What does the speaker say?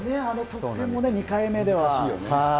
あの得点も２回目では。